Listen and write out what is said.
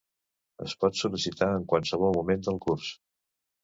Es pot sol·licitar en qualsevol moment del curs.